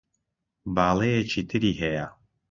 باڵایەکی تری هەیە